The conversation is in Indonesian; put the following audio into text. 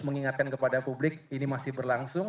mengingatkan kepada publik ini masih berlangsung